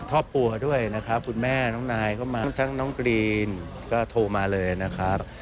ครอบครัวด้วยนะครับคุณแม่น้องนายก็มาทั้งน้องกรีนก็โทรมาเลยนะครับ